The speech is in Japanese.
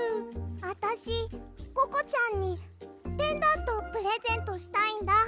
あたしココちゃんにペンダントプレゼントしたいんだ。